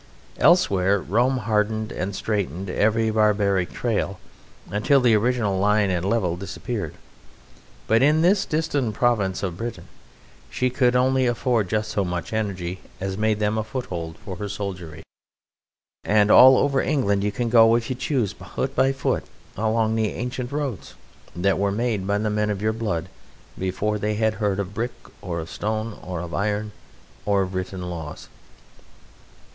Elsewhere Rome hardened and straightened every barbaric trail until the original line and level disappeared; but in this distant province of Britain she could only afford just so much energy as made them a foothold for her soldiery; and all over England you can go, if you choose, foot by foot, along the ancient roads that were made by the men of your blood before they had heard of brick or of stone or of iron or of written laws.